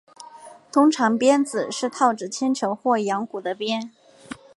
通常鞭子是套着铅球或羊骨的鞭。